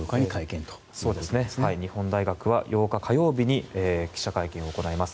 日本大学は８日、火曜日に記者会見を行います。